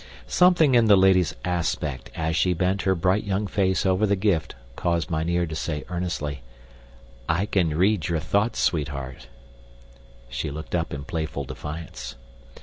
Something in the lady's aspect, as she bent her bright young face over the gift, caused mynheer to say earnestly, "I can read your thoughts, sweetheart." She looked up in playful defiance.